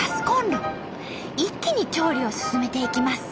一気に調理を進めていきます。